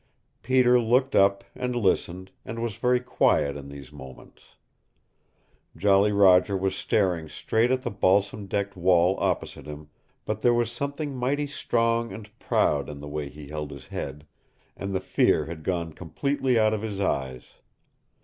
Peter looked up, and listened, and was very quiet in these moments. Jolly Roger was staring straight at the balsam decked wall opposite him, but there was something mighty strong and proud in the way he held his head, and the fear had gone completely out of his eyes.